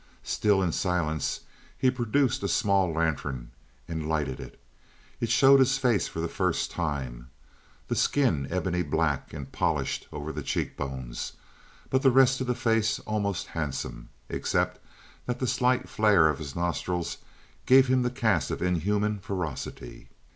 Still in silence he produced a small lantern and lighted it. It showed his face for the first time the skin ebony black and polished over the cheekbones, but the rest of the face almost handsome, except that the slight flare of his nostrils gave him a cast of inhuman ferocity.